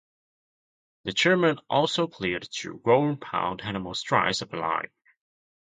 The German also cleared two goal-bound Dinamo strikes off the line.